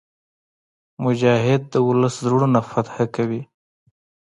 مجاهد د ولس زړونه فتح کوي.